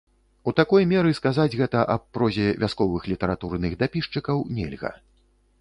У такой меры сказаць гэта аб прозе вясковых літаратурных дапісчыкаў нельга.